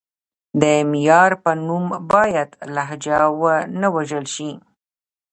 د معیار په نوم باید لهجې ونه وژل شي.